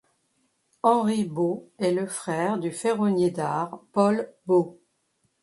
Henri Beau est le frère du ferronnier d'art Paul Beau.